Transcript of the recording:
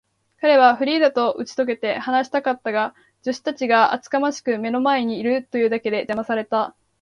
彼はフリーダとうちとけて話したかったが、助手たちが厚かましくも目の前にいるというだけで、じゃまされた。